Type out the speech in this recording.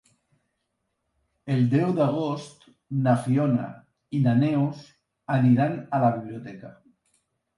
El deu d'agost na Fiona i na Neus aniran a la biblioteca.